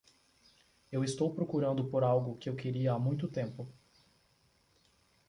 Eu estou procurando por algo que eu queria há muito tempo.